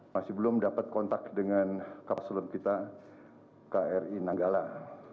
masih belum dapat kontak dengan kapaselum kita kri nanggalam